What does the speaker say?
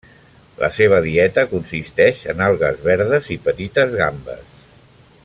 La seva dieta consisteix en algues verdes i petites gambes.